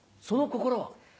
その心は？